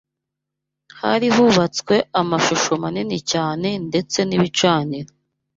hari hubatswe amashusho manini cyane ndetse n’ibicaniro